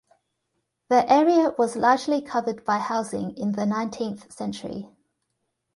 The area was largely covered by housing in the nineteenth century.